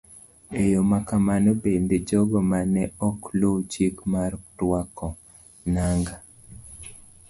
E yo ma kamano bende, jogo ma ne ok luw chik mar rwako nanga,